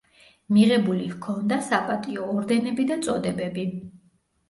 მიღებული ჰქონდა საპატიო ორდენები და წოდებები.